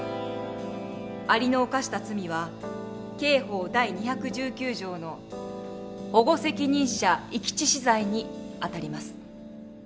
アリの犯した罪は刑法第２１９条の保護責任者遺棄致死罪にあたります。